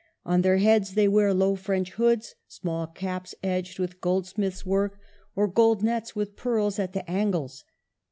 On their heads they wear low French hoods, small caps edged with goldsmith's work, or gold nets with pearls at the angles.